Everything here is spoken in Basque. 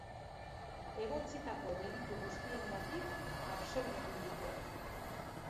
Egotzitako delitu guztiengatik absolbitu dute.